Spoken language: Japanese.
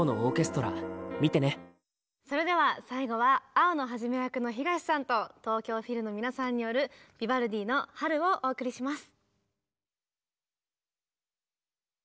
それでは最後は青野一役の東さんと東京フィルの皆さんによるヴィヴァルディの「春」をお送りします。